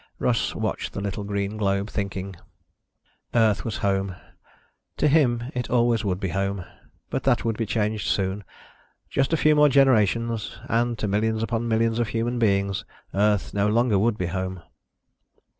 Russ watched the little green globe, thinking. Earth was home. To him it always would be home. But that would be changed soon. Just a few more generations, and, to millions upon millions of human beings, Earth no longer would be home.